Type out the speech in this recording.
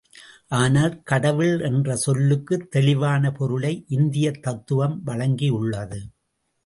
ஆனால் கடவுள் என்ற சொல்லுக்குத் தெளிவான பொருளை இந்தியத் தத்துவம் வழங்கியுள்ளது.